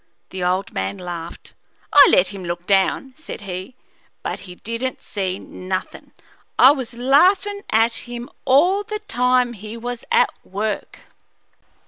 The old man laughed. "I let him look down," said he, "but he didn't see nothin'. I was laughin' at him all the time he was at work.